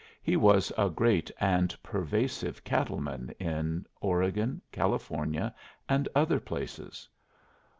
He was a great and pervasive cattle man in Oregon, California, and other places.